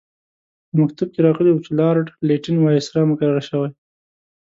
په مکتوب کې راغلي وو چې لارډ لیټن وایسرا مقرر شوی.